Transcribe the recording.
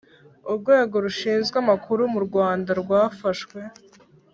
Urwego Rushinzwe Amakuru murwanda rwafashwe